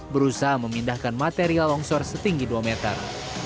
berusaha memindahkan material longsor setinggi dua meter